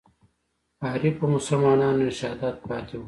عارفو مسلمانانو ارشادات پاتې وو.